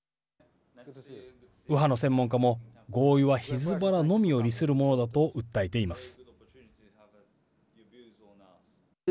右派の専門家も合意はヒズボラのみを利するものだと訴えています。